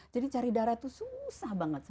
jadi cari darah tuh susah banget